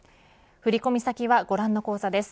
振り込み先はご覧の口座です。